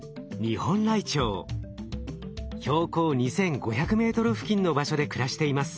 標高２，５００ｍ付近の場所で暮らしています。